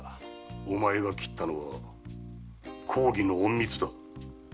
お前が斬ったのは公儀の隠密だ。